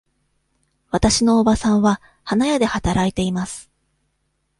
わたしのおばさんは花屋で働いています。